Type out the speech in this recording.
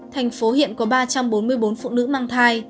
thành phố hiện có ba trăm bốn mươi bốn phụ nữ mang thai